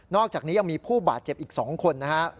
อกจากนี้ยังมีผู้บาดเจ็บอีก๒คนนะครับ